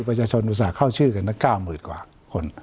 ประชาชนอุตส่าห์เข้าชื่อกันละ๙๐๐๐๐กว่าคน